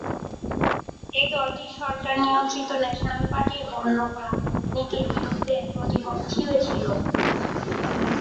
এ দলটি সরকার নিয়ন্ত্রিত ন্যাশনাল পার্টির বর্ণবাদ নীতির বিরুদ্ধে প্রতিপক্ষীয় ছিল।